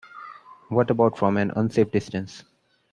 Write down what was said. What about from an unsafe distance?